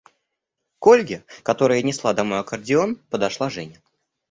К Ольге, которая несла домой аккордеон, подошла Женя.